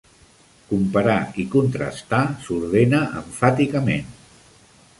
Comparar i contrastar s'ordena emfàticament.